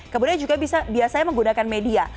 kemudian juga bisa biasanya menggunakan media